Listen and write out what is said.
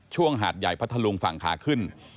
หาดใหญ่พัทธลุงฝั่งขาขึ้น